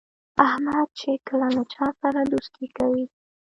احمد چې کله له چا سره دوستي کوي،